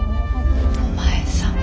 お前さん。